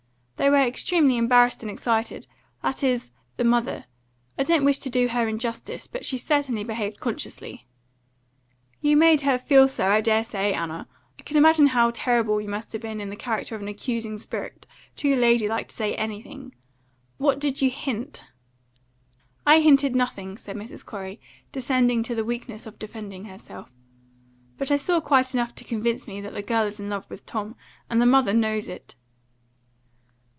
"They were extremely embarrassed and excited that is, the mother. I don't wish to do her injustice, but she certainly behaved consciously." "You made her feel so, I dare say, Anna. I can imagine how terrible you must have been in the character of an accusing spirit, too lady like to say anything. What did you hint?" "I hinted nothing," said Mrs. Corey, descending to the weakness of defending herself. "But I saw quite enough to convince me that the girl is in love with Tom, and the mother knows it."